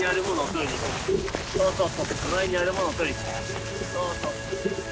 そうそう。